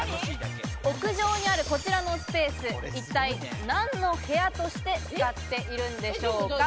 屋上にあるこちらのスペース、一体何の部屋として使っているんでしょうか？